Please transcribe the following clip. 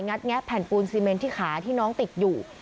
แงะแผ่นปูนซีเมนที่ขาที่น้องติดอยู่